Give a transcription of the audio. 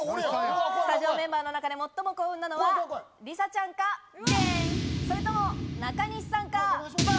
スタジオメンバーの中で最も幸運なのは梨紗ちゃんか、それとも中西さんか？